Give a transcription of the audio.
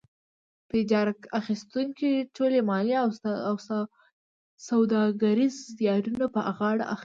په اجاره اخیستونکی ټول مالي او سوداګریز زیانونه په غاړه اخلي.